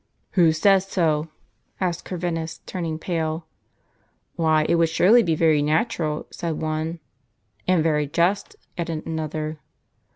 " "Who says so?" asked Corvinus turning pale. "Why, it would surely be very natural," said one. "And very just," added another.